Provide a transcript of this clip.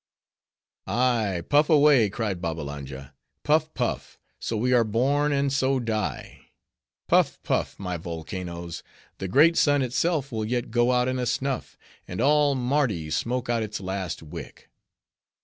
"Ay, puff away," cried Babbalanja, "puff; puff, so we are born, and so die. Puff, puff, my volcanos: the great sun itself will yet go out in a snuff, and all Mardi smoke out its last wick."